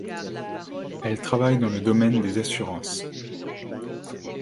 Elle travaille dans le domaine des assurances.